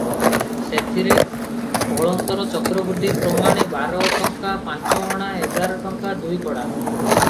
ସେଥିରେ କଳନ୍ତର ଚକ୍ରବୃଦ୍ଧି ପ୍ରମାଣେ ବାରଟଙ୍କା ପାଞ୍ଚଅଣା ଏଗାର ଟଙ୍କା ଦୁଇକଡ଼ା